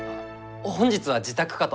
本日は自宅かと。